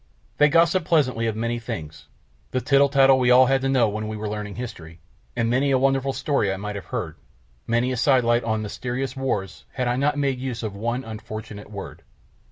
They gossiped pleasantly of many things, the tittle tattle we all had to know when we were learning history, and many a wonderful story I might have heard, many a side light on mysterious wars had I not made use of one unfortunate word.